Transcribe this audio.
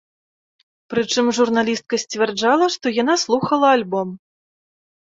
Прычым, журналістка сцвярджала, што яна слухала альбом.